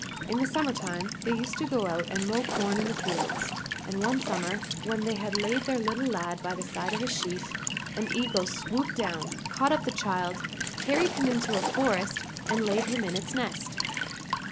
In the summer time they used to go out and mow corn in the fields, and one summer when they had laid their little lad by the side of a sheaf, an eagle swooped down, caught up the child, carried him into a forest, and laid him in its nest.